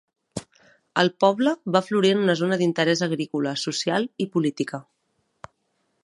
El poble va florir en una zona d'interès agrícola, social i política.